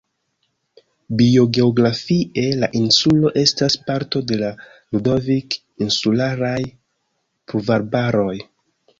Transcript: Biogeografie la insulo estas parto de la Ludovik-insularaj pluvarbaroj.